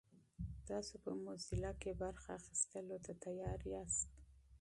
تاسو په موزیلا کې برخه اخیستلو ته چمتو یاست؟